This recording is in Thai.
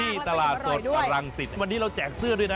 ที่ตลาดสนตรังสิทธิ์วันนี้เราแจกเสื้อด้วยนะ